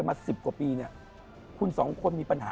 แบบแบบงั้น